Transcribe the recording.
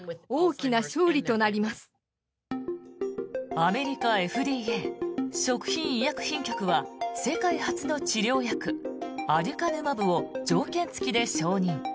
アメリカＦＤＡ・食品医薬品局は世界初の治療薬アデュカヌマブを条件付きで承認。